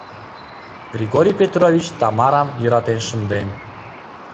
Григорий Петрович Тамарам йӧратен шынден.